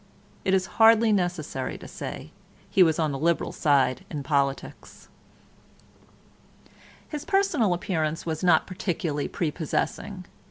It is hardly necessary to say he was on the Liberal side in politics. His personal appearance was not particularly prepossessing.